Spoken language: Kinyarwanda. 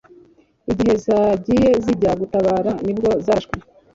igihe zagiye zijya gutabara nibwo zarashwe